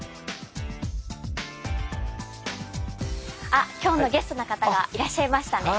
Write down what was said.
あ今日のゲストの方がいらっしゃいましたね。